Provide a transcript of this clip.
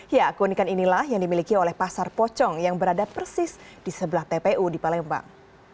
ya keunikan inilah yang dimiliki oleh pasar pocong yang berada persis di sebelah tpu di palembang